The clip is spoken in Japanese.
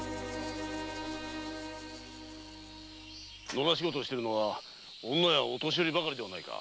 野良仕事をしているのは女やお年寄りばかりではないか。